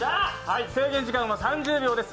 制限時間は３０秒です。